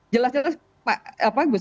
jelas jelas pak gus